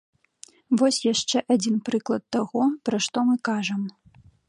Вось яшчэ адзін прыклад таго, пра што мы кажам.